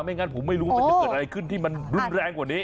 งั้นผมไม่รู้ว่ามันจะเกิดอะไรขึ้นที่มันรุนแรงกว่านี้